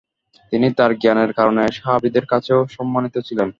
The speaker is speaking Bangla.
তিনি তার জ্ঞানের কারণে সাহাবিদের কাছেও সম্মানিত ছিলেন।